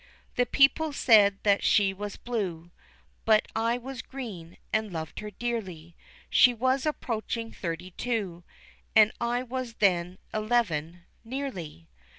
The people said that she was blue: But I was green, and loved her dearly. She was approaching thirty two; And I was then eleven, nearly.